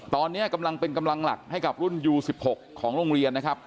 ตอนนี้กำลังเป็นกำลังหลักให้กับรุ่นยู๑๖ของโรงเรียนนะครับ